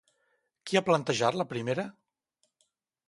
Qui ha plantejat la primera?